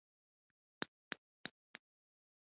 د فعالې غوږ ایښودنې لپاره باید تاسې ارادي هڅه وکړئ